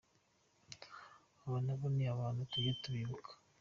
Abo nabo ni abantu tujye tubibuka.